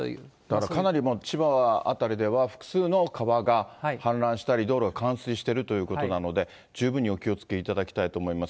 だからかなり千葉辺りでは、複数の川が氾濫したり、道路が冠水しているということなので、十分にお気をつけいただきたいと思います。